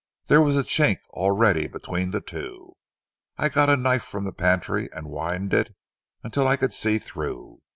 There was a chink already between the two. I got a knife from the pantry and widened it until I could see through.